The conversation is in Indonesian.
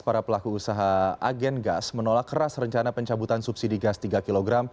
para pelaku usaha agen gas menolak keras rencana pencabutan subsidi gas tiga kg